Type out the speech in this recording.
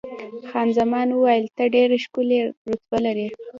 خان زمان وویل، ته ډېره ښکلې رتبه لرې.